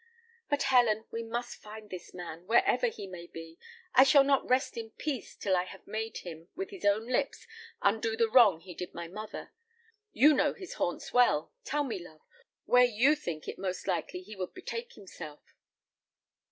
But, Helen, we must find this man, wherever he may be. I shall not rest in peace till I have made him, with his own lips, undo the wrong he did my mother. You know his haunts well. Tell me, love, where you think it most likely he would betake himself."